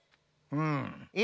うん？